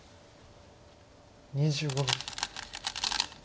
２５秒。